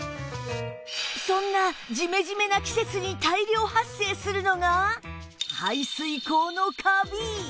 そんなジメジメな季節に大量発生するのが排水口のカビ！